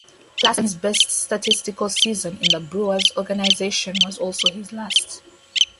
Klassen's best statistical season in the Brewers organization was also his last.